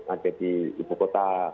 ada di ibu kota